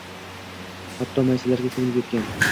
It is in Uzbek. Hatto maysalarga ko’milib yotgan